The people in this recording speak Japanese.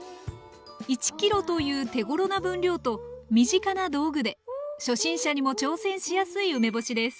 １ｋｇという手ごろな分量と身近な道具で初心者にも挑戦しやすい梅干しです